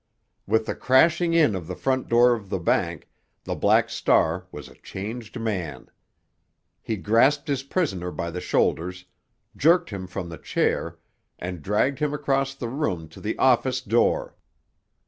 With the crashing in of the front door of the bank, the Black Star was a changed man. He grasped his prisoner by the shoulders, jerked him from the chair, and dragged him across the room to the office door.